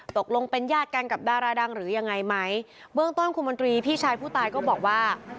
ตกลงเป็นญาติกันกับดาราดังหรือยังไงไหมเบื้องต้นคุณมนตรีพี่ชายผู้ตายก็บอกว่า